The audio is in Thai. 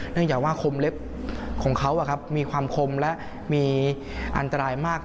จากว่าคมเล็บของเขามีความคมและมีอันตรายมาก